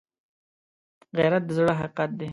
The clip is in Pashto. غیرت د زړه حقیقت دی